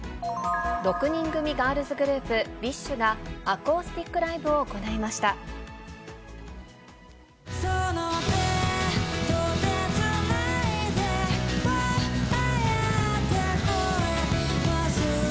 ６人組ガールズグループ、ＢｉＳＨが、アコースティックライブを行いました。